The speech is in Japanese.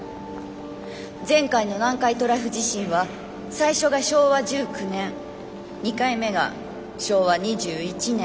「前回の南海トラフ地震は最初が昭和１９年２回目が昭和２１年。